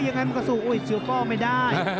ยังไงมันก็สู้อุ้ยเชียวก็ไม่ได้